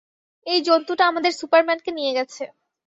এই জন্তুটা আমাদের সুপারম্যানকে নিয়ে গেছে।